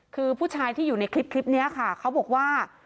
คือผู้ชายที่อยู่ในคลิปนี้ค่ะเขาบอกว่า